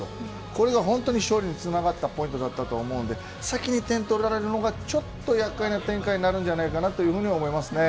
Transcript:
これが本当に勝利につながったポイントだったと思うので先に点を取られるのがちょっと厄介な展開になるんじゃないかなというふうに思いますね。